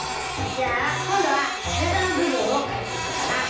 じゃあこんどはからだのぶぶんをかいていこうかな。